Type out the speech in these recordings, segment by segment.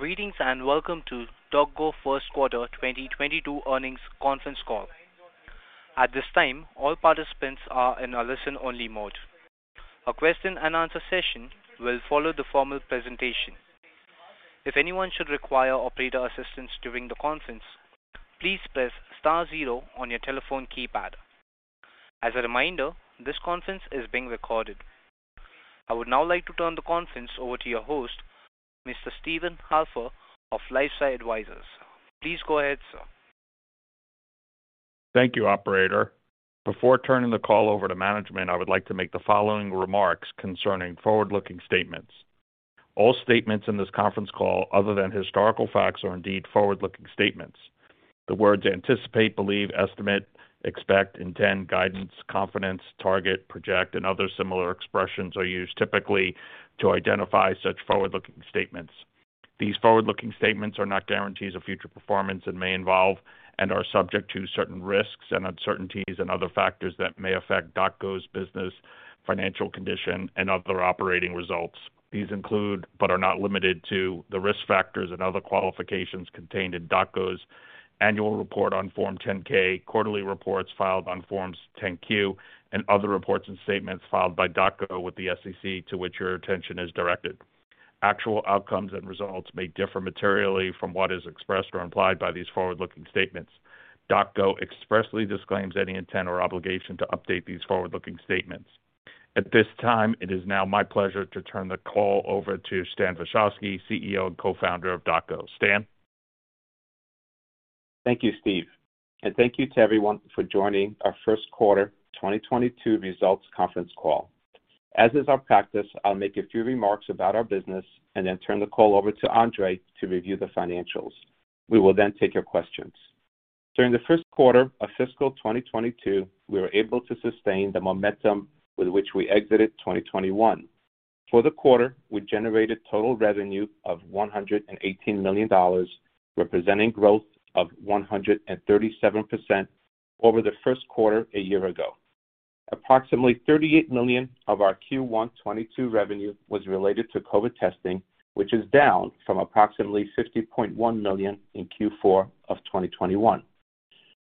Greetings and welcome to DocGo first quarter 2022 earnings conference call. At this time, all participants are in a listen-only mode. A question-and-answer session will follow the formal presentation. If anyone should require operator assistance during the conference, please press star zero on your telephone keypad. As a reminder, this conference is being recorded. I would now like to turn the conference over to your host, Mr. Steven Halper of LifeSci Advisors. Please go ahead, sir. Thank you, operator. Before turning the call over to management, I would like to make the following remarks concerning forward-looking statements. All statements in this conference call, other than historical facts, are indeed forward-looking statements. The words anticipate, believe, estimate, expect, intend, guidance, confidence, target, project, and other similar expressions are used typically to identify such forward-looking statements. These forward-looking statements are not guarantees of future performance and may involve and are subject to certain risks and uncertainties and other factors that may affect DocGo's business, financial condition and other operating results. These include, but are not limited to, the risk factors and other qualifications contained in DocGo's annual report on Form 10-K, quarterly reports filed on Forms 10-Q, and other reports and statements filed by DocGo with the SEC to which your attention is directed. Actual outcomes and results may differ materially from what is expressed or implied by these forward-looking statements. DocGo expressly disclaims any intent or obligation to update these forward-looking statements. At this time, it is now my pleasure to turn the call over to Stan Vashovsky, CEO and Co-Founder of DocGo. Stan? Thank you, Steven, and thank you to everyone for joining our first quarter 2022 results conference call. As is our practice, I'll make a few remarks about our business and then turn the call over to Andre to review the financials. We will then take your questions. During the first quarter of fiscal 2022, we were able to sustain the momentum with which we exited 2021. For the quarter, we generated total revenue of $118 million, representing growth of 137% over the first quarter a year ago. Approximately $38 million of our Q1 2022 revenue was related to COVID testing, which is down from approximately $50.1 million in Q4 of 2021.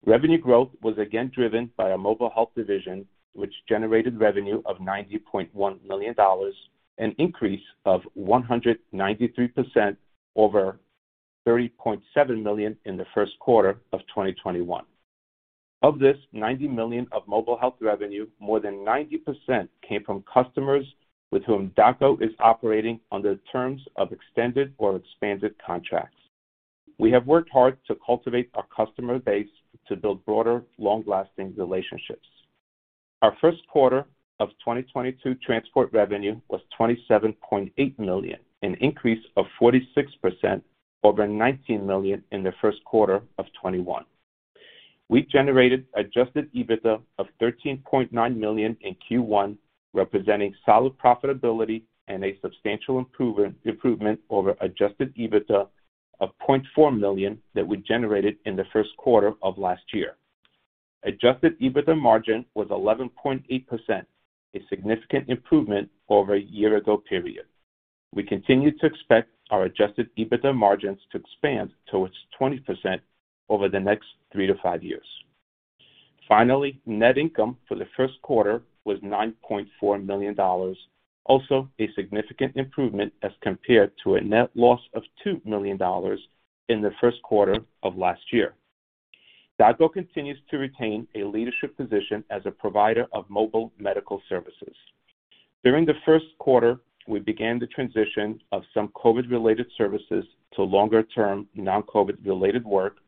Revenue growth was again driven by our mobile health division, which generated revenue of $90.1 million, an increase of 193% over $30.7 million in the first quarter of 2021. Of this $90 million of mobile health revenue, more than 90% came from customers with whom DocGo is operating under the terms of extended or expanded contracts. We have worked hard to cultivate our customer base to build broader, long-lasting relationships. Our first quarter of 2022 transport revenue was $27.8 million, an increase of 46% over $19 million in the first quarter of 2021. We generated Adjusted EBITDA of $13.9 million in Q1, representing solid profitability and a substantial improvement over Adjusted EBITDA of $0.4 million that we generated in the first quarter of last year. Adjusted EBITDA margin was 11.8%, a significant improvement over a year-ago period. We continue to expect our Adjusted EBITDA margins to expand towards 20% over the next three-five years. Finally, net income for the first quarter was $9.4 million, also a significant improvement as compared to a net loss of $2 million in the first quarter of last year. DocGo continues to retain a leadership position as a provider of mobile medical services. During the first quarter, we began the transition of some COVID-related services to longer-term non-COVID-related work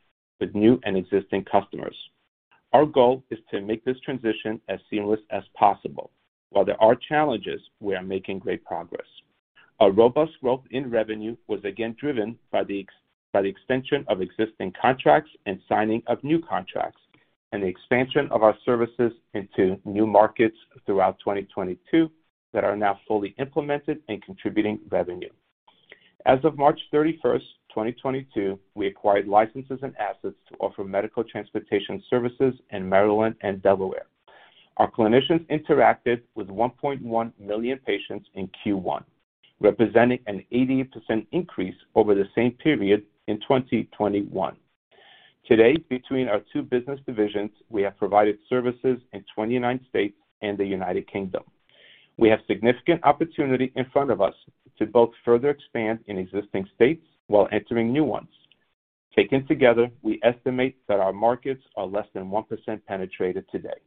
with new and existing customers. Our goal is to make this transition as seamless as possible. While there are challenges, we are making great progress. Our robust growth in revenue was again driven by the extension of existing contracts and signing of new contracts, and the expansion of our services into new markets throughout 2022 that are now fully implemented and contributing revenue. As of March 31, 2022, we acquired licenses and assets to offer medical transportation services in Maryland and Delaware. Our clinicians interacted with 1.1 million patients in Q1, representing an 80% increase over the same period in 2021. Today, between our two business divisions, we have provided services in 29 states and the United Kingdom. We have significant opportunity in front of us to both further expand in existing states while entering new ones. Taken together, we estimate that our markets are less than 1% penetrated today.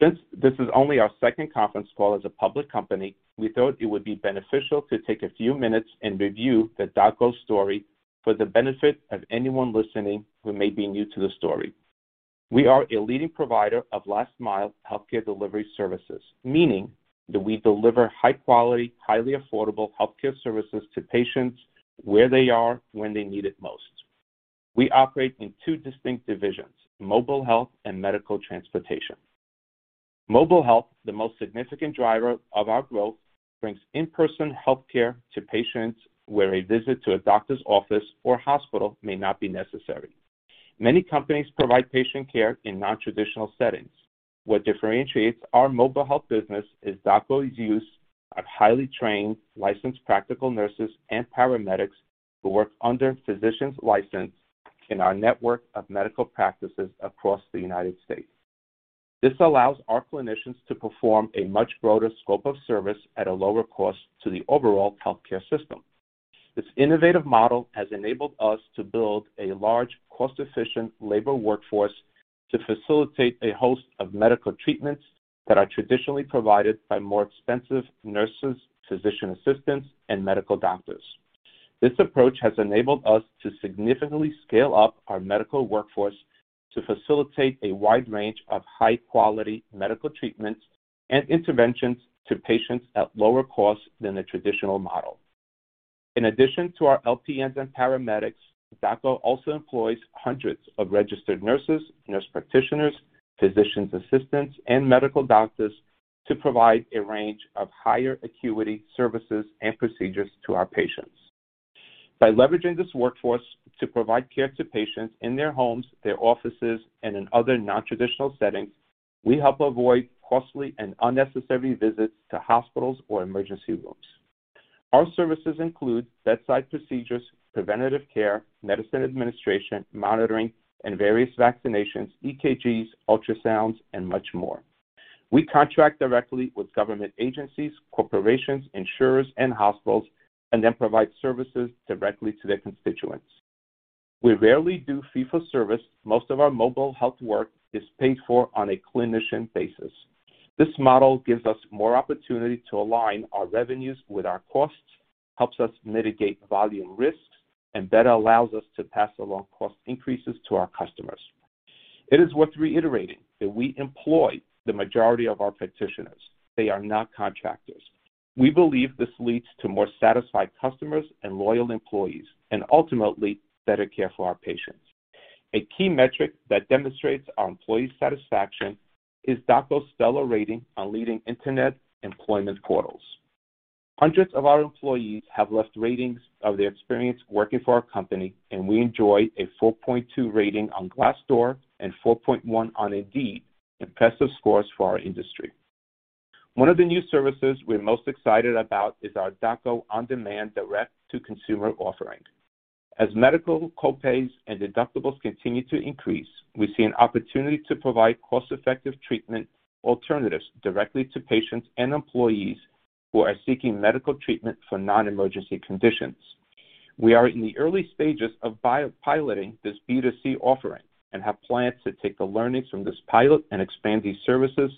Since this is only our second conference call as a public company, we thought it would be beneficial to take a few minutes and review the DocGo story for the benefit of anyone listening who may be new to the story. We are a leading provider of last mile healthcare delivery services, meaning that we deliver high quality, highly affordable healthcare services to patients where they are when they need it most. We operate in two distinct divisions, mobile health and medical transportation. Mobile health, the most significant driver of our growth, brings in-person healthcare to patients where a visit to a doctor's office or hospital may not be necessary. Many companies provide patient care in non-traditional settings. What differentiates our mobile health business is DocGo's use of highly trained licensed practical nurses and paramedics who work under physicians' license in our network of medical practices across the United States. This allows our clinicians to perform a much broader scope of service at a lower cost to the overall healthcare system. This innovative model has enabled us to build a large, cost-efficient labor workforce to facilitate a host of medical treatments that are traditionally provided by more expensive nurses, physician assistants, and medical doctors. This approach has enabled us to significantly scale up our medical workforce to facilitate a wide range of high-quality medical treatments and interventions to patients at lower costs than the traditional model. In addition to our LPNs and paramedics, DocGo also employs hundreds of registered nurses, nurse practitioners, physician assistants, and medical doctors to provide a range of higher acuity services and procedures to our patients. By leveraging this workforce to provide care to patients in their homes, their offices, and in other non-traditional settings, we help avoid costly and unnecessary visits to hospitals or emergency rooms. Our services include bedside procedures, preventative care, medicine administration, monitoring, and various vaccinations, EKGs, ultrasounds, and much more. We contract directly with government agencies, corporations, insurers, and hospitals and then provide services directly to their constituents. We rarely do fee-for-service. Most of our mobile health work is paid for on a clinician basis. This model gives us more opportunity to align our revenues with our costs, helps us mitigate volume risks, and better allows us to pass along cost increases to our customers. It is worth reiterating that we employ the majority of our practitioners. They are not contractors. We believe this leads to more satisfied customers and loyal employees, and ultimately better care for our patients. A key metric that demonstrates our employee satisfaction is DocGo's stellar rating on leading internet employment portals. Hundreds of our employees have left ratings of their experience working for our company, and we enjoy a 4.2 rating on Glassdoor and 4.1 on Indeed, impressive scores for our industry. One of the new services we're most excited about is our DocGo On-Demand direct-to-consumer offering. As medical co-pays and deductibles continue to increase, we see an opportunity to provide cost-effective treatment alternatives directly to patients and employees who are seeking medical treatment for non-emergency conditions. We are in the early stages of piloting this B2C offering and have plans to take the learnings from this pilot and expand these services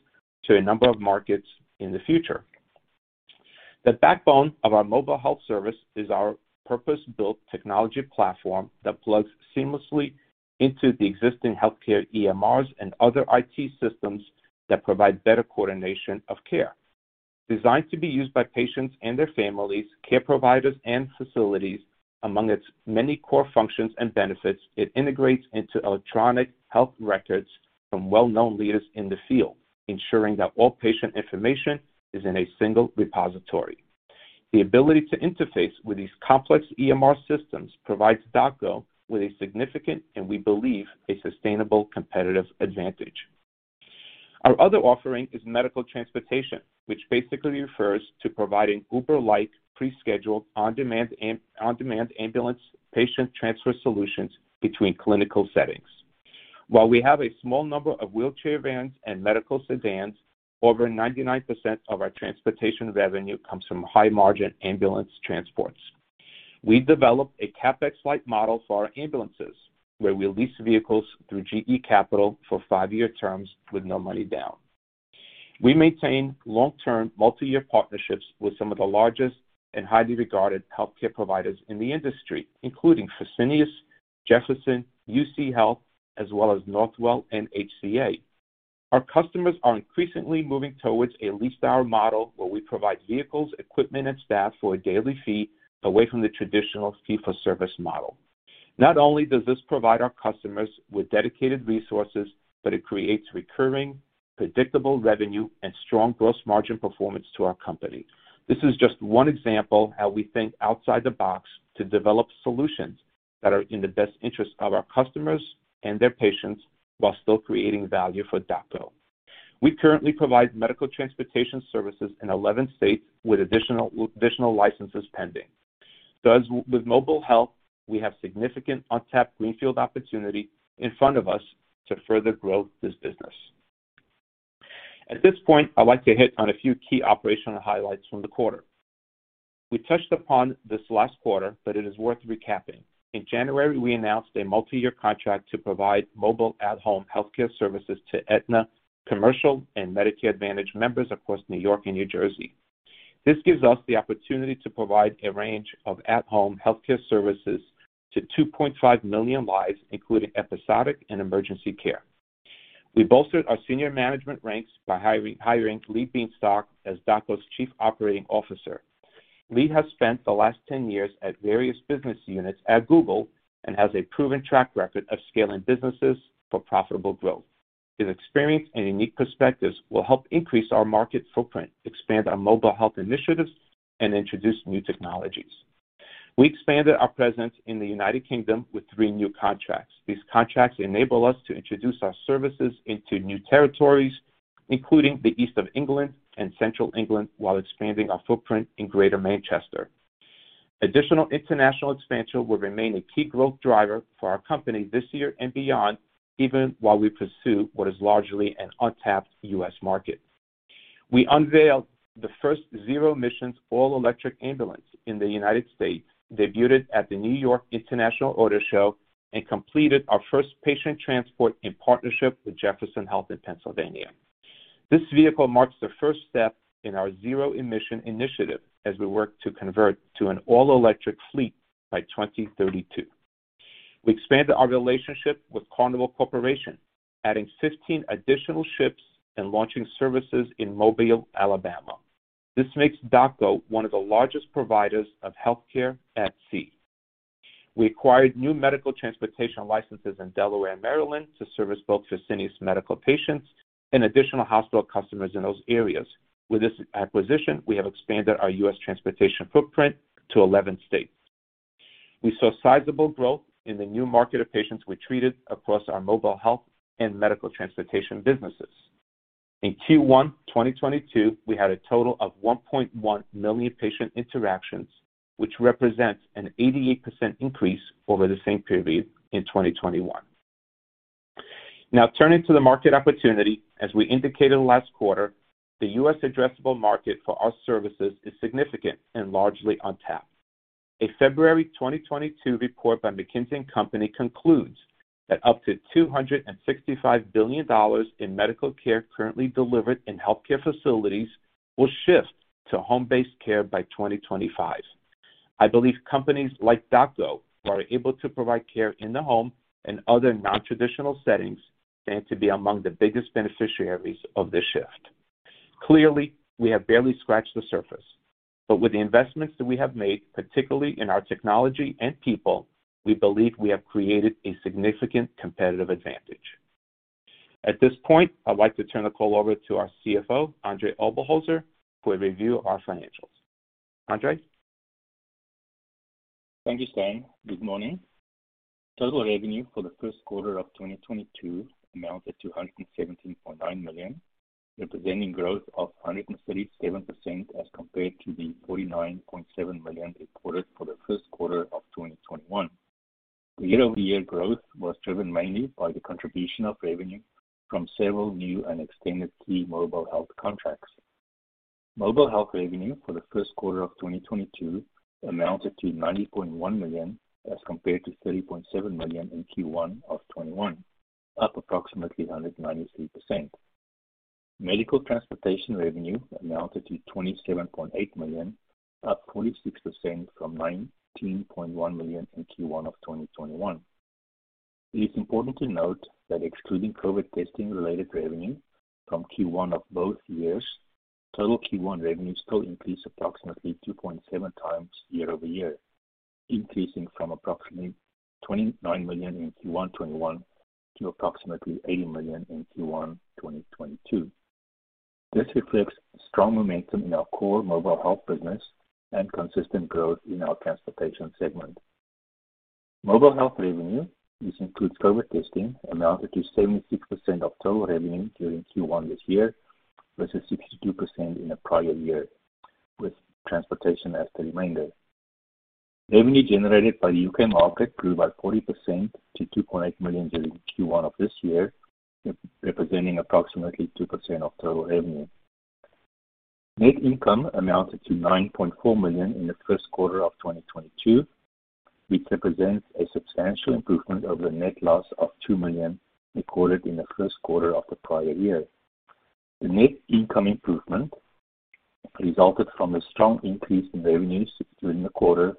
to a number of markets in the future. The backbone of our mobile health service is our purpose-built technology platform that plugs seamlessly into the existing healthcare EMRs and other IT systems that provide better coordination of care. Designed to be used by patients and their families, care providers, and facilities, among its many core functions and benefits, it integrates into electronic health records from well-known leaders in the field, ensuring that all patient information is in a single repository. The ability to interface with these complex EMR systems provides DocGo with a significant, and we believe, a sustainable competitive advantage. Our other offering is medical transportation, which basically refers to providing Uber-like pre-scheduled, on-demand ambulance patient transfer solutions between clinical settings. While we have a small number of wheelchair vans and medical sedans, over 99% of our transportation revenue comes from high-margin ambulance transports. We've developed a CapEx-like model for our ambulances, where we lease vehicles through GE Capital for five-year terms with no money down. We maintain long-term multi-year partnerships with some of the largest and highly regarded healthcare providers in the industry, including Fresenius, Jefferson, UCHealth, as well as Northwell and HCA. Our customers are increasingly moving towards a leased hour model where we provide vehicles, equipment, and staff for a daily fee away from the traditional fee-for-service model. Not only does this provide our customers with dedicated resources, but it creates recurring, predictable revenue and strong gross margin performance to our company. This is just one example how we think outside the box to develop solutions that are in the best interest of our customers and their patients while still creating value for DocGo. We currently provide medical transportation services in 11 states with additional licenses pending. As with mobile health, we have significant untapped greenfield opportunity in front of us to further grow this business. At this point, I'd like to hit on a few key operational highlights from the quarter. We touched upon this last quarter, but it is worth recapping. In January, we announced a multi-year contract to provide mobile at-home healthcare services to Aetna, commercial, and Medicare Advantage members across New York and New Jersey. This gives us the opportunity to provide a range of at-home healthcare services to 2.5 million lives, including episodic and emergency care. We bolstered our senior management ranks by hiring Lee Bienstock as DocGo's chief operating officer. Lee has spent the last 10 years at various business units at Google and has a proven track record of scaling businesses for profitable growth. His experience and unique perspectives will help increase our market footprint, expand our mobile health initiatives, and introduce new technologies. We expanded our presence in the United Kingdom with three new contracts. These contracts enable us to introduce our services into new territories, including the East of England and Central England, while expanding our footprint in Greater Manchester. Additional international expansion will remain a key growth driver for our company this year and beyond, even while we pursue what is largely an untapped U.S. market. We unveiled the first zero-emissions all-electric ambulance in the United States, debuted at the New York International Auto Show, and completed our first patient transport in partnership with Jefferson Health in Pennsylvania. This vehicle marks the first step in our zero-emission initiative as we work to convert to an all-electric fleet by 2032. We expanded our relationship with Carnival Corporation, adding 15 additional ships and launching services in Mobile, Alabama. This makes DocGo one of the largest providers of healthcare at sea. We acquired new medical transportation licenses in Delaware and Maryland to service both B2C medical patients and additional hospital customers in those areas. With this acquisition, we have expanded our U.S. transportation footprint to 11 states. We saw sizable growth in the new market of patients we treated across our mobile health and medical transportation businesses. In Q1 2022, we had a total of 1.1 million patient interactions, which represents an 88% increase over the same period in 2021. Now turning to the market opportunity. As we indicated last quarter, the US addressable market for our services is significant and largely untapped. A February 2022 report by McKinsey & Company concludes that up to $265 billion in medical care currently delivered in healthcare facilities will shift to home-based care by 2025. I believe companies like DocGo are able to provide care in the home and other non-traditional settings stand to be among the biggest beneficiaries of this shift. Clearly, we have barely scratched the surface. With the investments that we have made, particularly in our technology and people, we believe we have created a significant competitive advantage. At this point, I'd like to turn the call over to our CFO, Andre Oberholzer, to review our financials. Andre. Thank you, Stan. Good morning. Total revenue for the first quarter of 2022 amounted to $117.9 million, representing growth of 137% as compared to the $49.7 million reported for the first quarter of 2021. The year-over-year growth was driven mainly by the contribution of revenue from several new and extended key mobile health contracts. Mobile health revenue for the first quarter of 2022 amounted to $90.1 million as compared to $30.7 million in Q1 of 2021, up approximately 193%. Medical transportation revenue amounted to $27.8 million, up 46% from $19.1 million in Q1 of 2021. It is important to note that excluding COVID testing-related revenue from Q1 of both years, total Q1 revenue still increased approximately 2.7 times year over year, increasing from approximately $29 million in Q1 2021 to approximately $80 million in Q1 2022. This reflects strong momentum in our core mobile health business and consistent growth in our transportation segment. Mobile health revenue, which includes COVID testing, amounted to 70% of total revenue during Q1 this year, versus 62% in the prior year, with transportation as the remainder. Revenue generated by the UK market grew by 40% to $2.8 million during Q1 of this year, representing approximately 2% of total revenue. Net income amounted to $9.4 million in the first quarter of 2022, which represents a substantial improvement over the net loss of $2 million recorded in the first quarter of the prior year. The net income improvement resulted from a strong increase in revenues during the quarter,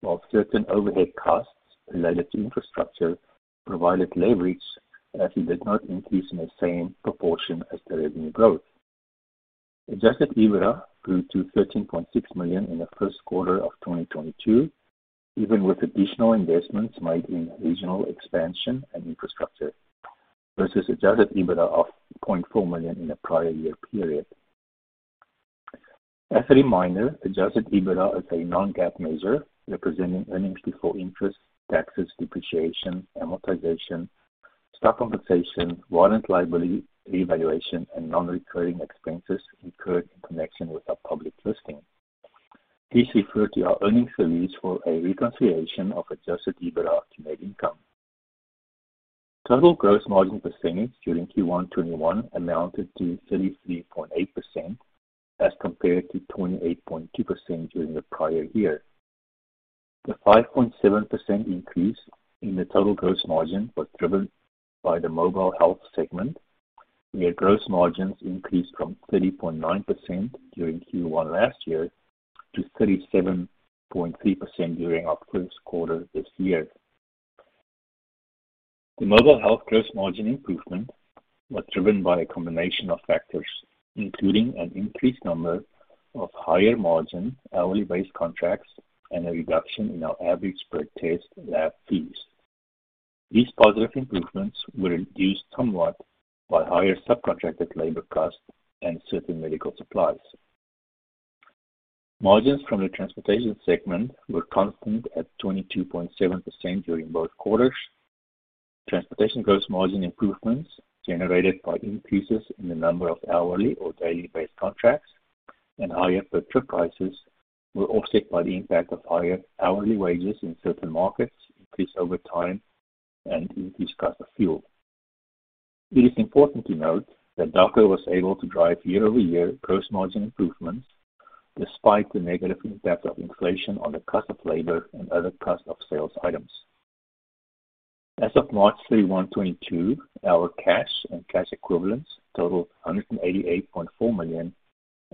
while certain overhead costs related to infrastructure provided leverage as it did not increase in the same proportion as the revenue growth. Adjusted EBITDA grew to $13.6 million in the first quarter of 2022, even with additional investments made in regional expansion and infrastructure, versus adjusted EBITDA of $0.4 million in the prior year period. As a reminder, adjusted EBITDA is a non-GAAP measure representing earnings before interest, taxes, depreciation, amortization, stock compensation, warrant liability valuation, and non-recurring expenses incurred in connection with our public listing. Please refer to our earnings release for a reconciliation of adjusted EBITDA to net income. Total gross margin percentage during Q1 2021 amounted to 33.8% as compared to 28.2% during the prior year. The 5.7% increase in the total gross margin was driven by the mobile health segment, where gross margins increased from 30.9% during Q1 last year to 37.3% during our first quarter this year. The mobile health gross margin improvement was driven by a combination of factors, including an increased number of higher margin hourly based contracts and a reduction in our average per test lab fees. These positive improvements were reduced somewhat by higher subcontracted labor costs and certain medical supplies. Margins from the transportation segment were constant at 22.7% during both quarters. Transportation gross margin improvements generated by increases in the number of hourly or daily based contracts and higher per trip prices were offset by the impact of higher hourly wages in certain markets, increased overtime, and increased cost of fuel. It is important to note that DocGo was able to drive year-over-year gross margin improvements despite the negative impact of inflation on the cost of labor and other cost of sales items. As of March 31, 2022, our cash and cash equivalents totaled $188.4 million,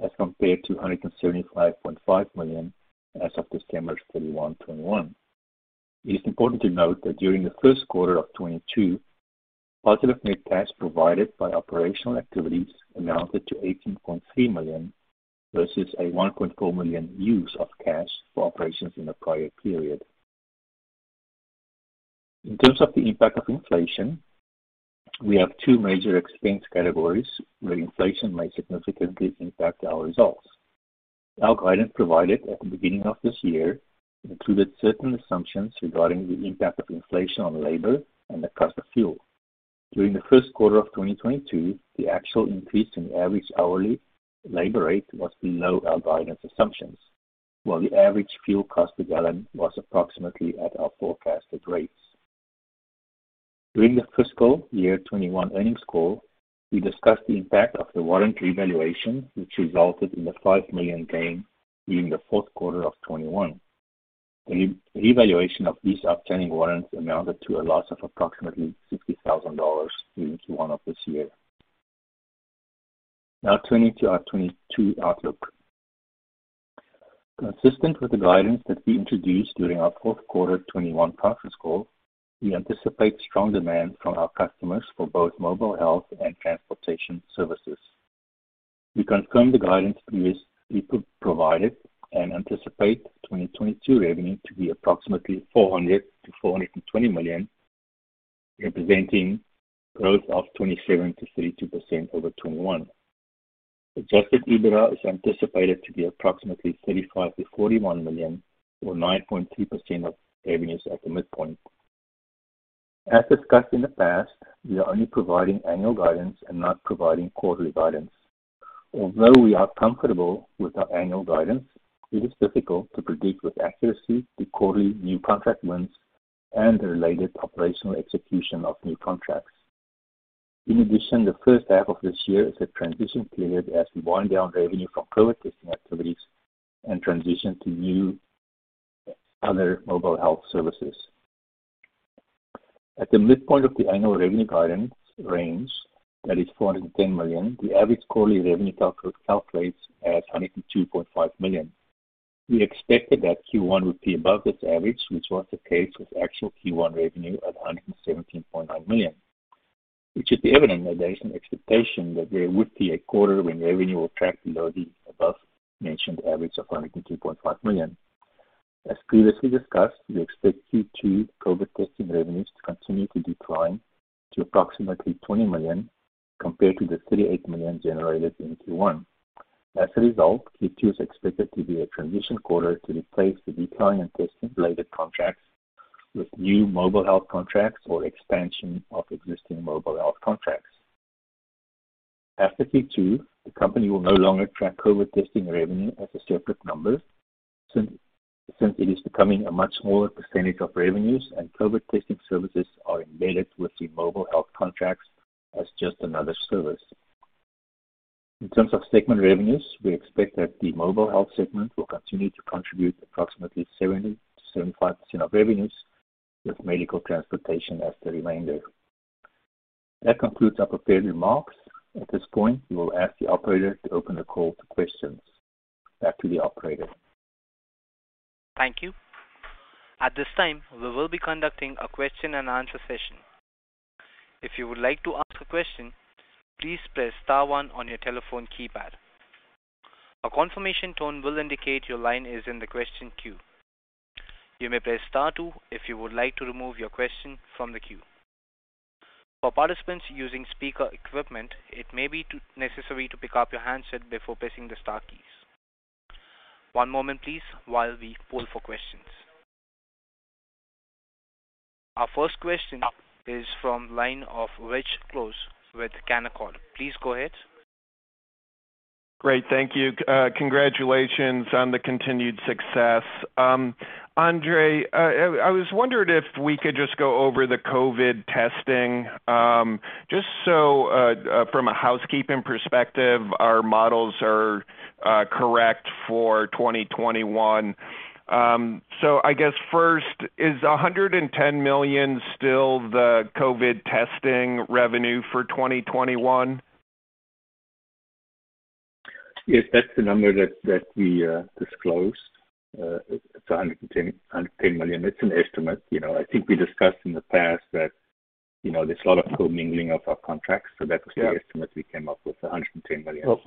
as compared to $175.5 million as of December 31, 2021. It is important to note that during the first quarter of 2022, positive net cash provided by operational activities amounted to $18.3 million versus a $1.4 million use of cash for operations in the prior period. In terms of the impact of inflation, we have two major expense categories where inflation may significantly impact our results. Our guidance provided at the beginning of this year included certain assumptions regarding the impact of inflation on labor and the cost of fuel. During the first quarter of 2022, the actual increase in average hourly labor rate was below our guidance assumptions. While the average fuel cost per gallon was approximately at our forecasted rates. During the fiscal year 2021 earnings call, we discussed the impact of the warrant revaluation, which resulted in the $5 million gain during the fourth quarter of 2021. The revaluation of these outstanding warrants amounted to a loss of approximately $60,000 during Q1 of this year. Now turning to our 2022 outlook. Consistent with the guidance that we introduced during our fourth quarter 2021 conference call, we anticipate strong demand from our customers for both mobile health and transportation services. We confirm the guidance we provided and anticipate 2022 revenue to be approximately $400 million-$420 million, representing growth of 27%-32% over 2021. Adjusted EBITDA is anticipated to be approximately $35 million-$41 million or 9.2% of revenues at the midpoint. As discussed in the past, we are only providing annual guidance and not providing quarterly guidance. Although we are comfortable with our annual guidance, it is difficult to predict with accuracy the quarterly new contract wins and the related operational execution of new contracts. In addition, the first half of this year is a transition period as we wind down revenue from COVID testing activities and transition to new other mobile health services. At the midpoint of the annual revenue guidance range, that is $410 million, the average quarterly revenue calculates at $102.5 million. We expected that Q1 would be above this average, which was the case with actual Q1 revenue of $117.9 million. It should be evident that there is an expectation that there would be a quarter when revenue will track below the above-mentioned average of $102.5 million. As previously discussed, we expect Q2 COVID testing revenues to continue to decline to approximately $20 million compared to the $38 million generated in Q1. As a result, Q2 is expected to be a transition quarter to replace the declining testing-related contracts with new mobile health contracts or expansion of existing mobile health contracts. After Q2, the company will no longer track COVID testing revenue as a separate number, since it is becoming a much smaller percentage of revenues and COVID testing services are embedded within mobile health contracts as just another service. In terms of segment revenues, we expect that the mobile health segment will continue to contribute approximately 70%-75% of revenues, with medical transportation as the remainder. That concludes our prepared remarks. At this point, we will ask the operator to open the call to questions. Back to the operator. Thank you. At this time, we will be conducting a question and answer session. If you would like to ask a question, please press star one on your telephone keypad. A confirmation tone will indicate your line is in the question queue. You may press star two if you would like to remove your question from the queue. For participants using speaker equipment, it may be necessary to pick up your handset before pressing the star keys. One moment please while we poll for questions. Our first question is from line of Rich Close with Canaccord. Please go ahead. Great. Thank you. Congratulations on the continued success. Andre, I was wondering if we could just go over the COVID testing, just so, from a housekeeping perspective, our models are correct for 2021. I guess first, is $110 million still the COVID testing revenue for 2021? Yes, that's the number that we disclosed. It's $110 million. It's an estimate. You know, I think we discussed in the past that, you know, there's a lot of comingling of our contracts. That was the estimate we came up with, $110 million. Well.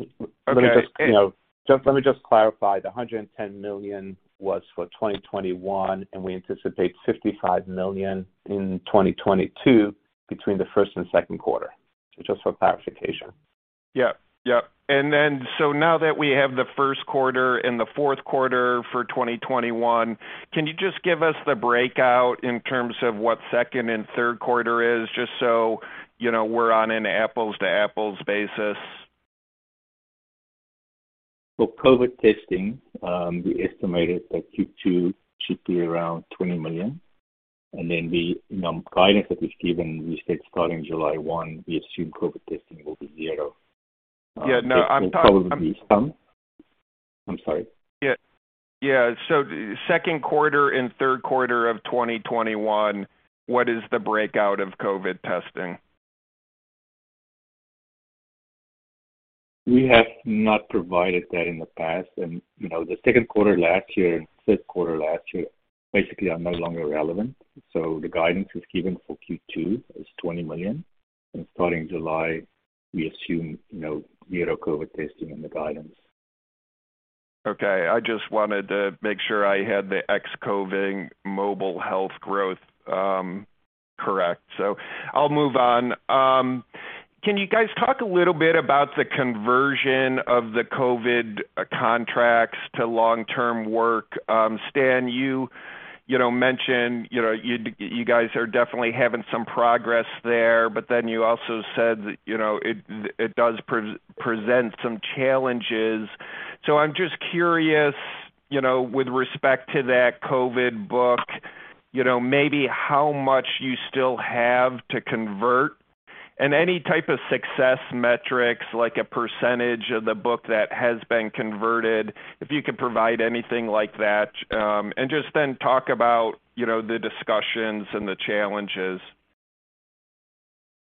Okay. You know, just let me clarify. The $110 million was for 2021, and we anticipate $55 million in 2022 between the first and second quarter. Just for clarification. Yeah. Yeah. Now that we have the first quarter and the fourth quarter for 2021, can you just give us the breakout in terms of what second and third quarter is just so, you know, we're on an apples to apples basis? For COVID testing, we estimated that Q2 should be around $20 million. Then, you know, the guidance that we've given, we said starting July 1, we assume COVID testing will be $0. Yeah. No, I'm talking. There will probably be some. I'm sorry. Yeah, second quarter and third quarter of 2021, what is the breakdown of COVID testing? We have not provided that in the past. You know, the second quarter last year and third quarter last year basically are no longer relevant. The guidance we've given for Q2 is $20 million. Starting July, we assume, you know, zero COVID testing in the guidance. Okay, I just wanted to make sure I had the ex-COVID mobile health growth correct, so I'll move on. Can you guys talk a little bit about the conversion of the COVID contracts to long-term work? Stan, you know, mentioned, you know, you guys are definitely having some progress there, but then you also said that, you know, it does present some challenges. I'm just curious, you know, with respect to that COVID book, you know, maybe how much you still have to convert and any type of success metrics, like a percentage of the book that has been converted, if you could provide anything like that. And just then talk about, you know, the discussions and the challenges?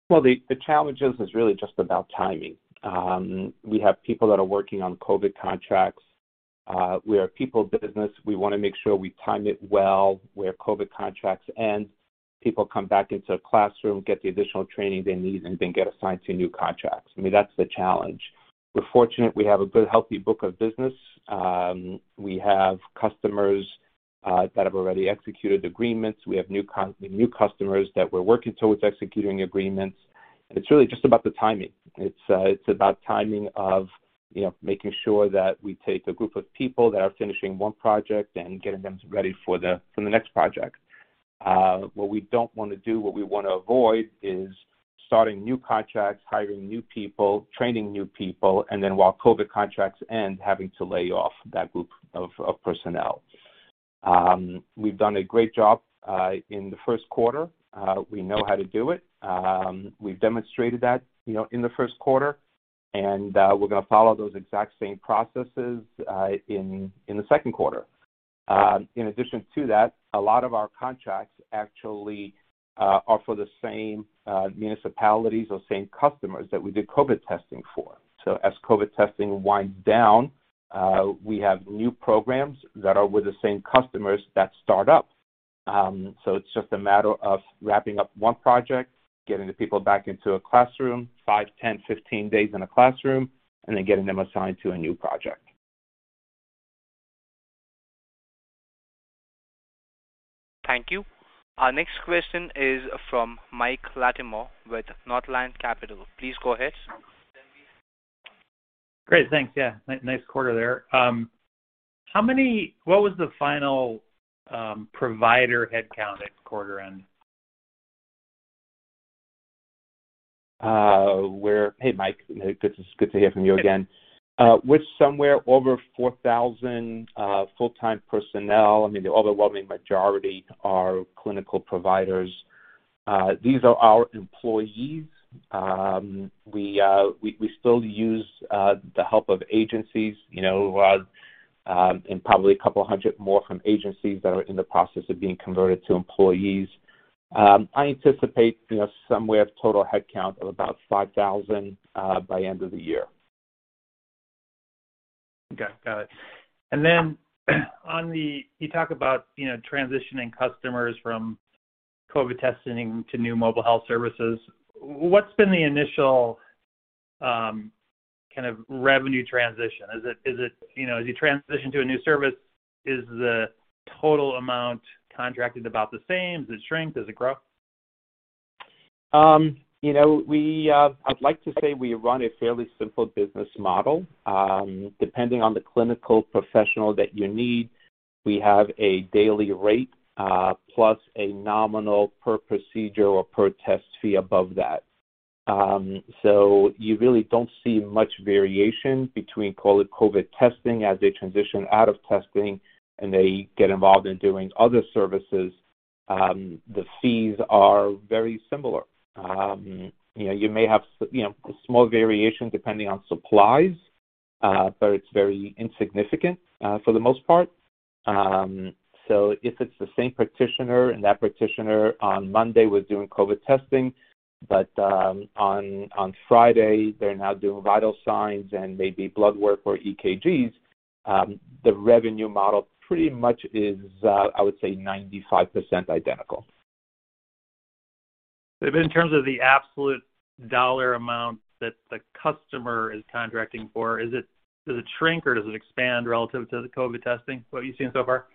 Well, the challenges is really just about timing. We have people that are working on COVID contracts. We are a people business. We wanna make sure we time it well, where COVID contracts end, people come back into a classroom, get the additional training they need, and then get assigned to new contracts. I mean, that's the challenge. We're fortunate we have a good, healthy book of business. We have customers that have already executed agreements. We have new customers that we're working towards executing agreements. It's really just about the timing. It's about timing of, you know, making sure that we take a group of people that are finishing one project and getting them ready for the next project. What we don't wanna do, what we wanna avoid is starting new contracts, hiring new people, training new people, and then while COVID contracts end, having to lay off that group of personnel. We've done a great job in the first quarter. We know how to do it. We've demonstrated that, you know, in the first quarter, and we're gonna follow those exact same processes in the second quarter. In addition to that, a lot of our contracts actually are for the same municipalities or same customers that we did COVID testing for. As COVID testing winds down, we have new programs that are with the same customers that start up. It's just a matter of wrapping up one project, getting the people back into a classroom, five, 10, 15 days in a classroom, and then getting them assigned to a new project. Thank you. Our next question is from Mike Latimore with Northland Capital Markets. Please go ahead. Great. Thanks. Yeah. Nice quarter there. What was the final provider headcount at quarter end? Hey, Mike. Good to hear from you again. We're somewhere over 4,000 full-time personnel. I mean, the overwhelming majority are clinical providers. These are our employees. We still use the help of agencies, you know, and probably a couple hundred more from agencies that are in the process of being converted to employees. I anticipate, you know, somewhere total headcount of about 5,000 by end of the year. Okay. Got it. You talk about, you know, transitioning customers from COVID testing to new mobile health services. What's been the initial kind of revenue transition? Is it, you know, as you transition to a new service, is the total amount contracted about the same? Does it shrink? Does it grow? You know, I'd like to say we run a fairly simple business model. Depending on the clinical professional that you need, we have a daily rate, plus a nominal per procedure or per test fee above that. You really don't see much variation between, call it COVID testing as they transition out of testing, and they get involved in doing other services. The fees are very similar. You know, you may have small variations depending on supplies. It's very insignificant for the most part. If it's the same practitioner and that practitioner on Monday was doing COVID testing, but on Friday, they're now doing vital signs and maybe blood work or EKGs, the revenue model pretty much is, I would say 95% identical. In terms of the absolute dollar amount that the customer is contracting for, does it shrink, or does it expand relative to the COVID testing, what you've seen so far?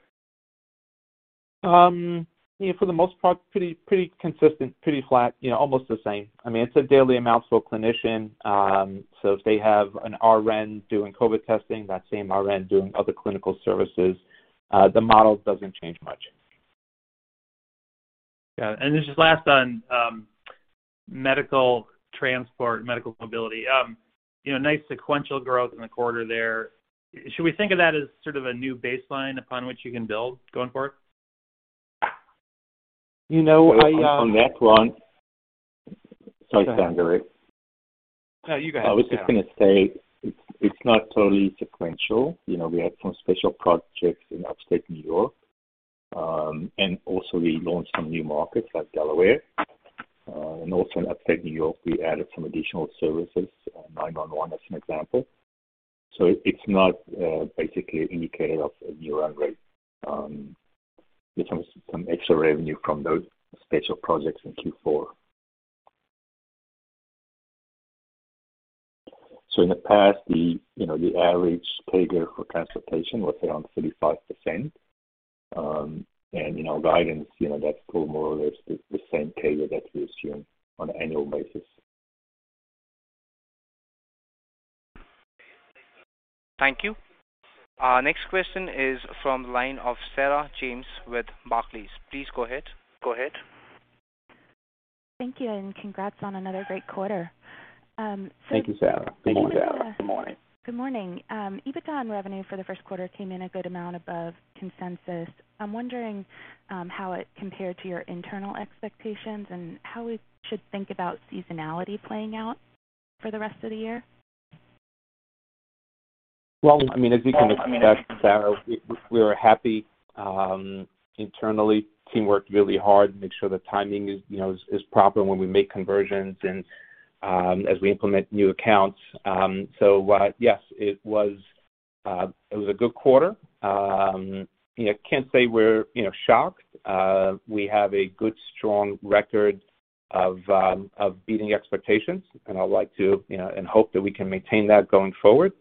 You know, for the most part, pretty consistent, pretty flat, you know, almost the same. I mean, it's a daily amount to a clinician. So if they have an RN doing COVID testing, that same RN doing other clinical services, the model doesn't change much. Yeah. Just last on medical transport, medical mobility. You know, nice sequential growth in the quarter there. Should we think of that as sort of a new baseline upon which you can build going forward? You know, I On that one. Sorry, Stan. No, you go ahead. I was just gonna say it's not totally sequential. You know, we had some special projects in upstate New York. We launched some new markets like Delaware. Also in upstate New York, we added some additional services, 9-1-1 as an example. It's not basically indicative of a new run rate. It was some extra revenue from those special projects in Q4. In the past, you know, the average payer for transportation was around 35%. Guidance, you know, that's still more or less the same payer that we assume on an annual basis. Thank you. Our next question is from the line of Sarah James with Barclays. Please go ahead. Go ahead. Thank you, and congrats on another great quarter. Thank you, Sarah. Good morning. Good morning. EBITDA and revenue for the first quarter came in a good amount above consensus. I'm wondering, how it compared to your internal expectations and how we should think about seasonality playing out for the rest of the year. Well, I mean, as you can expect, Sarah, we were happy internally. Team worked really hard to make sure the timing is, you know, proper when we make conversions and as we implement new accounts. Yes, it was a good quarter. You know, can't say we're shocked. We have a good, strong record of beating expectations, and I'd like to hope that we can maintain that going forward.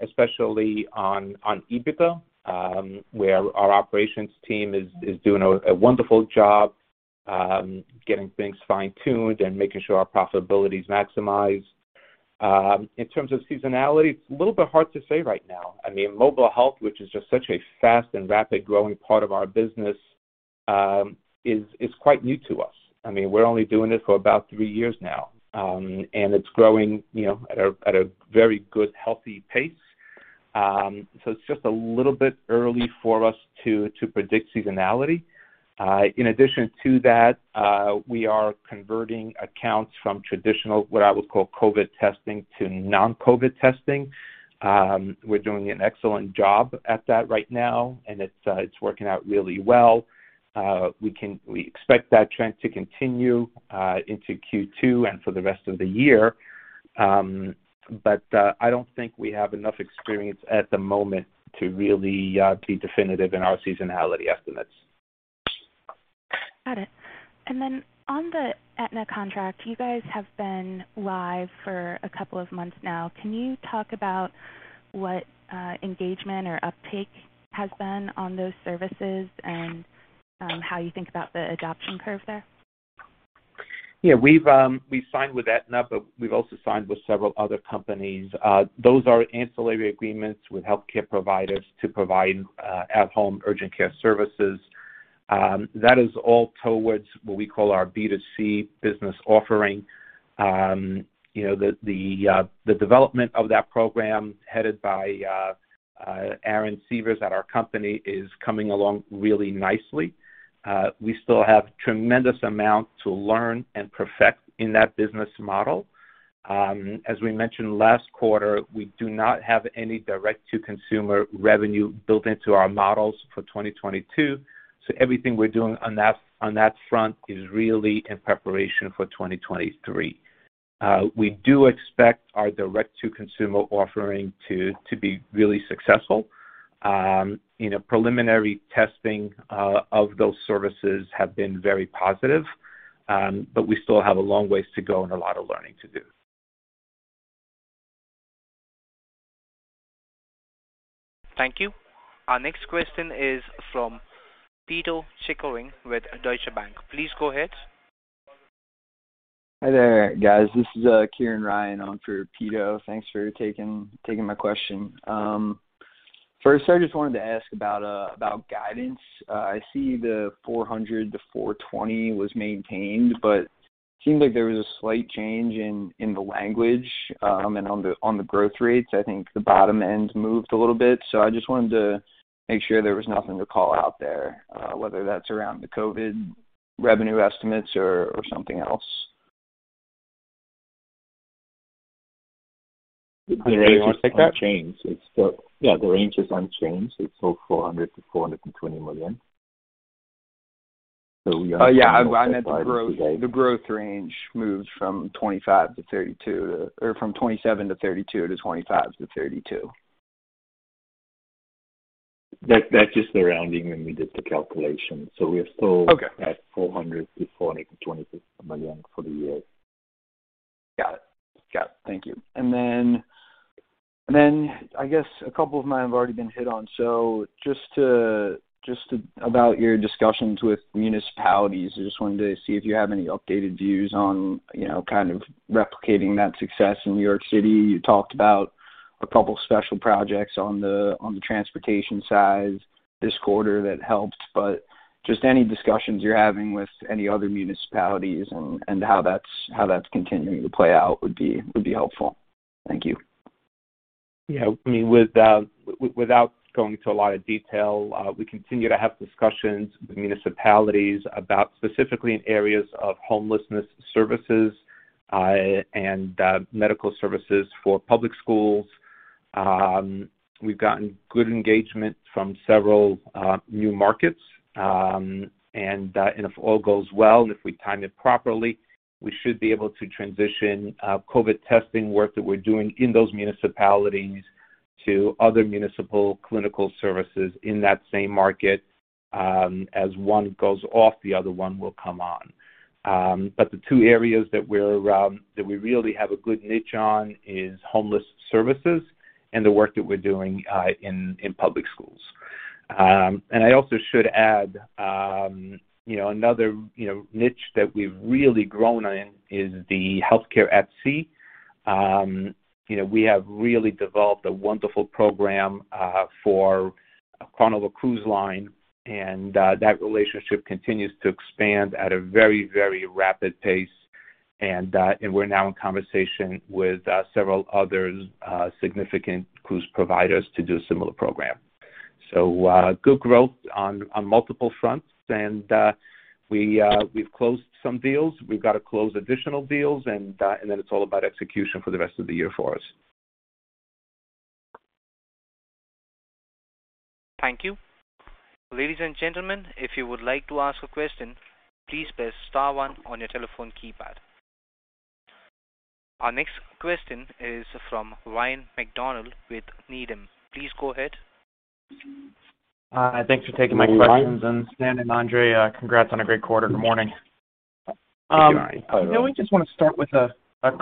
Especially on EBITDA, where our operations team is doing a wonderful job getting things fine-tuned and making sure our profitability is maximized. In terms of seasonality, it's a little bit hard to say right now. I mean, mobile health, which is just such a fast and rapid growing part of our business, is quite new to us. I mean, we're only doing this for about three years now. It's growing, you know, at a very good, healthy pace. It's just a little bit early for us to predict seasonality. In addition to that, we are converting accounts from traditional, what I would call COVID testing to non-COVID testing. We're doing an excellent job at that right now, and it's working out really well. We expect that trend to continue into Q2 and for the rest of the year. But I don't think we have enough experience at the moment to really be definitive in our seasonality estimates. Got it. On the Aetna contract, you guys have been live for a couple of months now. Can you talk about what engagement or uptake has been on those services and how you think about the adoption curve there? Yeah. We've signed with Aetna, but we've also signed with several other companies. Those are ancillary agreements with healthcare providers to provide at home urgent care services. That is all towards what we call our B2C business offering. You know, the development of that program headed by Aaron Severs at our company is coming along really nicely. We still have tremendous amount to learn and perfect in that business model. As we mentioned last quarter, we do not have any direct to consumer revenue built into our models for 2022. Everything we're doing on that front is really in preparation for 2023. We do expect our direct to consumer offering to be really successful. You know, preliminary testing of those services have been very positive, but we still have a long ways to go and a lot of learning to do. Thank you. Our next question is from Pito Chickering with Deutsche Bank. Please go ahead. Hi there, guys. This is Kieran Ryan on for Peter. Thanks for taking my question. First, I just wanted to ask about guidance. I see the $400-$420 was maintained, but it seemed like there was a slight change in the language and on the growth rates. I think the bottom end moved a little bit. I just wanted to make sure there was nothing to call out there, whether that's around the COVID. Revenue estimates or something else? The range is unchanged. It's still $400 million-$420 million. Oh, yeah. I meant the growth range moves from 25%-32% or from 27%-32% to 25%-32%. That's just the rounding when we did the calculation. We're still. Okay. at $400 million-$426 million for the year. Got it. Thank you. I guess a couple of mine have already been hit on. Just to about your discussions with municipalities, I just wanted to see if you have any updated views on, you know, kind of replicating that success in New York City. You talked about a couple special projects on the transportation side this quarter that helped, but just any discussions you're having with any other municipalities and how that's continuing to play out would be helpful. Thank you. Yeah. I mean, with without going into a lot of detail, we continue to have discussions with municipalities about specifically in areas of homelessness services, and medical services for public schools. We've gotten good engagement from several new markets. If all goes well and if we time it properly, we should be able to transition COVID testing work that we're doing in those municipalities to other municipal clinical services in that same market, as one goes off, the other one will come on. The two areas that we really have a good niche on is homeless services and the work that we're doing in public schools. I also should add, you know, another, you know, niche that we've really grown in is the healthcare at sea. You know, we have really developed a wonderful program for Carnival Cruise Line, and that relationship continues to expand at a very, very rapid pace, and we're now in conversation with several other significant cruise providers to do a similar program. Good growth on multiple fronts and we've closed some deals. We've got to close additional deals and then it's all about execution for the rest of the year for us. Thank you. Ladies and gentlemen, if you would like to ask a question, please press star one on your telephone keypad. Our next question is from Ryan MacDonald with Needham. Please go ahead. Thanks for taking my questions. Stan and Andre, congrats on a great quarter. Good morning. Thank you, Ryan. You know, I just want to start with a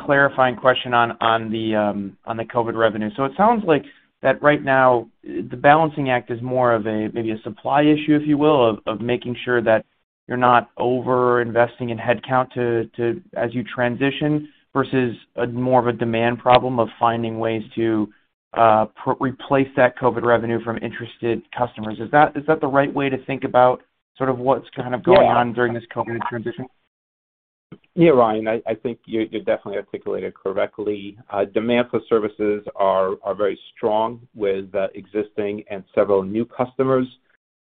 clarifying question on the COVID revenue. It sounds like that right now the balancing act is more of a maybe a supply issue, if you will, of making sure that you're not over-investing in headcount as you transition versus a more of a demand problem of finding ways to replace that COVID revenue from interested customers. Is that the right way to think about sort of what's kind of going on during this COVID transition? Yeah, Ryan, I think you definitely articulate it correctly. Demand for services are very strong with existing and several new customers.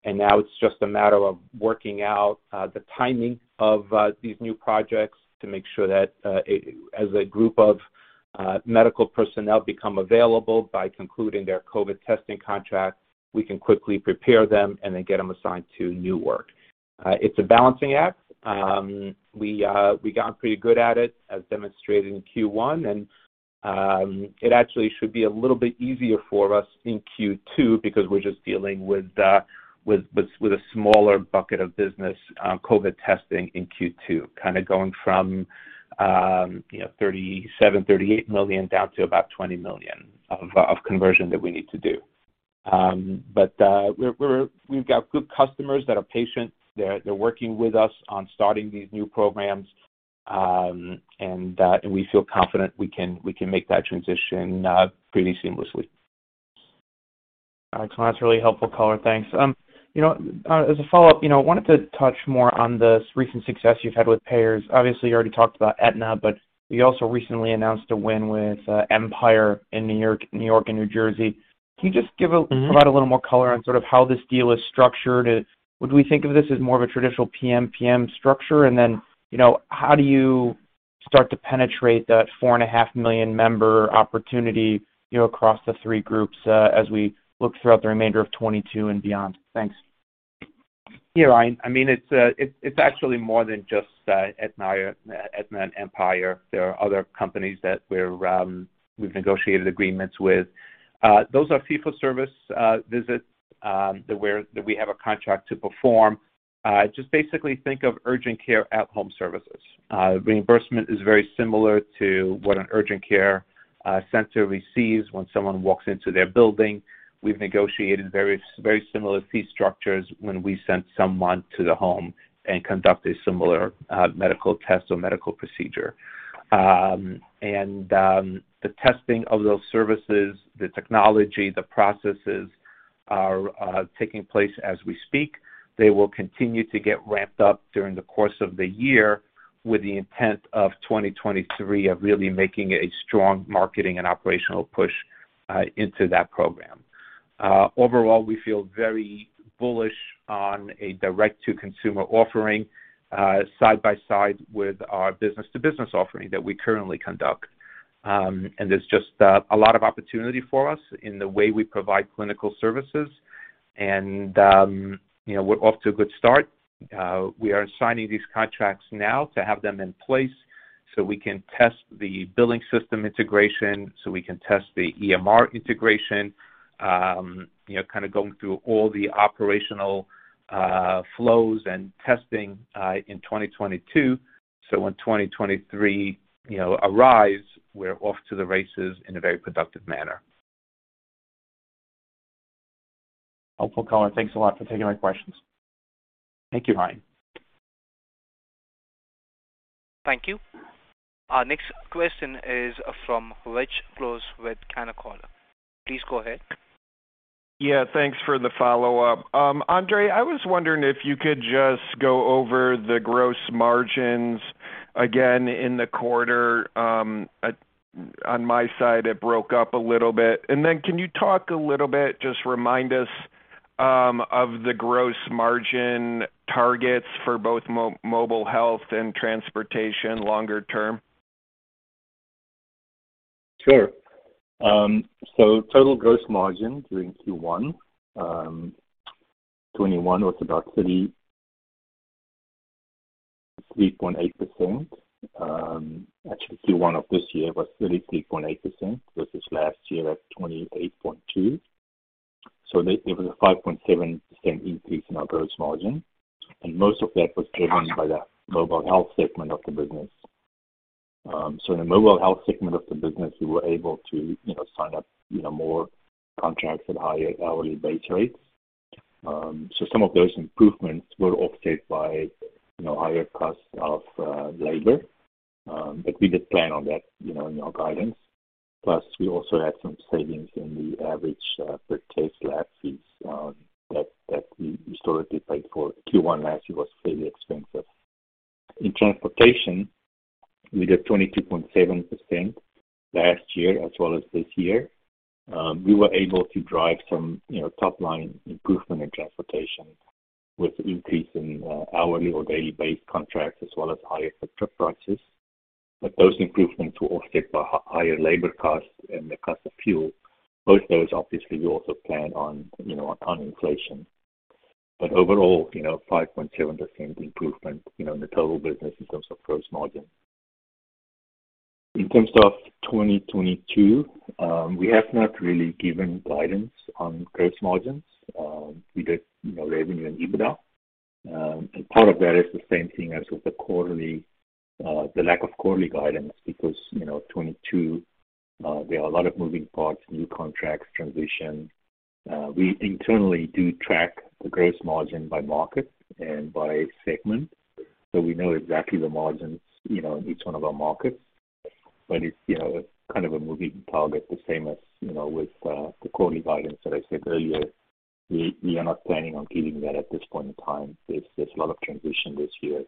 Now it's just a matter of working out the timing of these new projects to make sure that as a group of medical personnel become available by concluding their COVID testing contract, we can quickly prepare them and then get them assigned to new work. It's a balancing act. We've gotten pretty good at it, as demonstrated in Q1, and it actually should be a little bit easier for us in Q2 because we're just dealing with a smaller bucket of business, COVID testing in Q2 kinda going from $37 million-$38 million down to about $20 million of conversion that we need to do. We've got good customers that are patient. They're working with us on starting these new programs, and we feel confident we can make that transition pretty seamlessly. All right. That's a really helpful color. Thanks. You know, as a follow-up, you know, I wanted to touch more on the recent success you've had with payers. Obviously, you already talked about Aetna, but you also recently announced a win with Empire in New York, New York and New Jersey. Can you just give a- Mm-hmm. Provide a little more color on sort of how this deal is structured? Would we think of this as more of a traditional PMPM structure? And then, you know, how do you start to penetrate that 4.5 million member opportunity, you know, across the three groups, as we look throughout the remainder of 2022 and beyond? Thanks. Yeah, Ryan. I mean, it's actually more than just Aetna and Empire. There are other companies that we've negotiated agreements with. Those are fee for service visits that we have a contract to perform. Just basically think of urgent care at home services. Reimbursement is very similar to what an urgent care center receives when someone walks into their building. We've negotiated very similar fee structures when we send someone to the home and conduct a similar medical test or medical procedure. The testing of those services, the technology, the processes are taking place as we speak. They will continue to get ramped up during the course of the year with the intent of 2023 of really making a strong marketing and operational push into that program. Overall, we feel very bullish on a direct-to-consumer offering, side by side with our business-to-business offering that we currently conduct. There's just a lot of opportunity for us in the way we provide clinical services and, you know, we're off to a good start. We are signing these contracts now to have them in place so we can test the billing system integration, so we can test the EMR integration, you know, kinda going through all the operational flows and testing in 2022, so when 2023 arrives, we're off to the races in a very productive manner. Helpful, Color. Thanks a lot for taking my questions. Thank you Ryan. Bye. Thank you. Our next question is from Richard Close with Canaccord Genuity. Please go ahead. Yeah, thanks for the follow-up. Andre, I was wondering if you could just go over the gross margins again in the quarter. On my side it broke up a little bit. Can you talk a little bit, just remind us, of the gross margin targets for both mobile health and transportation longer term? Sure. Total gross margin during Q1 2021 was about 33.8%. Actually Q1 of this year was 33.8% versus last year at 28.2%. It was a 5.7% increase in our gross margin, and most of that was driven by the mobile health segment of the business. In the mobile health segment of the business, we were able to, you know, sign up, you know, more contracts at higher hourly base rates. Some of those improvements were offset by, you know, higher costs of labor, but we did plan on that, you know, in our guidance. Plus, we also had some savings in the average per case lab fees that we historically paid for. Q1 last year was fairly expensive. In transportation, we did 22.7% last year as well as this year. We were able to drive some, you know, top-line improvement in transportation with increase in, hourly or daily base contracts as well as higher trip prices. Those improvements were offset by higher labor costs and the cost of fuel. Both those, obviously, we also plan on, you know, on inflation. Overall, you know, 5.7% improvement, you know, in the total business in terms of gross margin. In terms of 2022, we have not really given guidance on gross margins. We did, you know, revenue and EBITDA. Part of that is the same thing as with the quarterly the lack of quarterly guidance because, you know, 2022, there are a lot of moving parts, new contracts, transition. We internally do track the gross margin by market and by segment, so we know exactly the margins, you know, in each one of our markets. It's, you know, kind of a moving target, the same as, you know, with the quarterly guidance that I said earlier. We are not planning on giving that at this point in time. There's a lot of transition this year.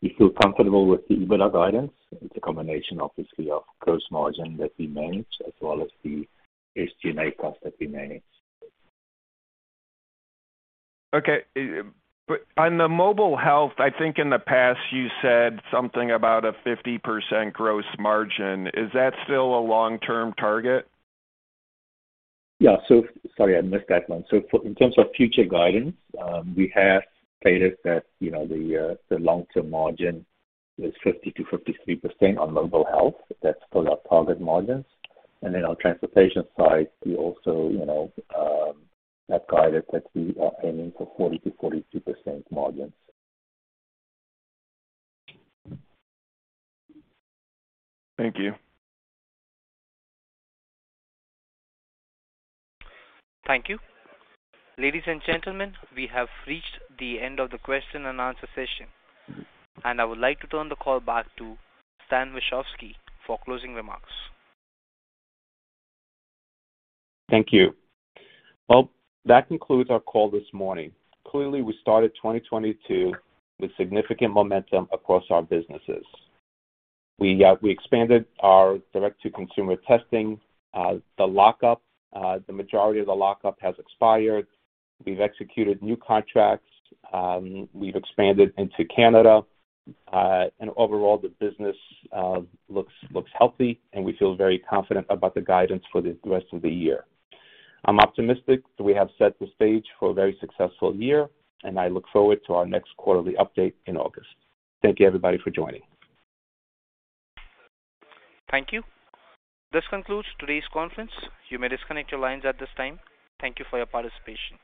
We feel comfortable with the EBITDA guidance. It's a combination obviously of gross margin that we manage as well as the SG&A cost that we manage. Okay. On the mobile health, I think in the past you said something about a 50% gross margin. Is that still a long-term target? Yeah. Sorry, I missed that one. In terms of future guidance, we have stated that, you know, the long-term margin is 50%-53% on mobile health. That's still our target margins. Then on transportation side, we also, you know, have guided that we are aiming for 40%-42% margins. Thank you. Thank you. Ladies and gentlemen, we have reached the end of the question and answer session, and I would like to turn the call back to Stan Vashovsky for closing remarks. Thank you. Well, that concludes our call this morning. Clearly, we started 2022 with significant momentum across our businesses. We expanded our direct-to-consumer testing. The lockup, the majority of the lockup has expired. We've executed new contracts. We've expanded into Canada. Overall, the business looks healthy, and we feel very confident about the guidance for the rest of the year. I'm optimistic that we have set the stage for a very successful year, and I look forward to our next quarterly update in August. Thank you, everybody, for joining. Thank you. This concludes today's conference. You may disconnect your lines at this time. Thank you for your participation.